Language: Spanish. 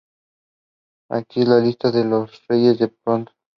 He aquí la lista de los reyes del Ponto.